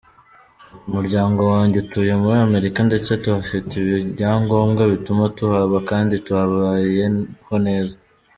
Ati” Umuryango wanjye utuye muri Amerika ndetse tuhafite ibyangombwa bituma tuhaba, kandi tubayeho neza.